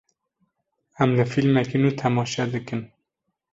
Em li fîlmekî nû temaşe dikin.